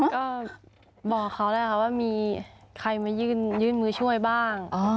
ก็บอกเขาแล้วค่ะว่ามีใครมายื่นมือช่วยบ้าง